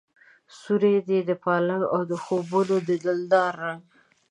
سور دی د پالنګ او د خوبونو د دلدار رنګ